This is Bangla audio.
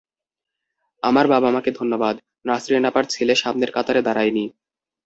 আমার বাবা-মাকে ধন্যবাদ, নাসরিন আপার ছেলে সামনের কাতারে দাঁড়ায়নি।